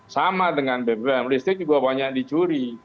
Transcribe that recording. sama dengan bbm listrik juga banyak dicuri